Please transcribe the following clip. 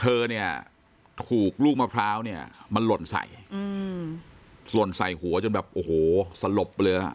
เธอเนี้ยขูกลูกมะพร้าวเนี้ยมาล่นใส่มมติใส่หัวจนแบบโอ้โหสลบ